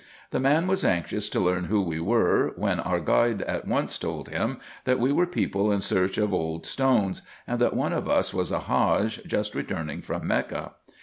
The man was anxious to learn who we were, when our guide at once told him that we were people in search of old stones, and that one of us was a Hadge, just returning from Mecca.